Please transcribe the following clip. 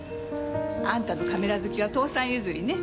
あんたのカメラ好きは父さん譲りね。